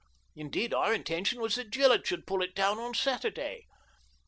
Indeed, our intention was that Gillett should pull it down on Saturday.